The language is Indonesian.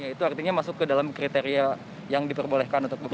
itu artinya masuk ke dalam kriteria yang diperbolehkan untuk bekerja